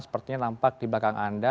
sepertinya nampak di belakang anda